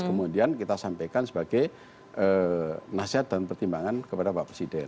kemudian kita sampaikan sebagai nasihat dan pertimbangan kepada bapak presiden